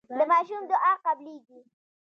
د ماشوم دعا قبليږي.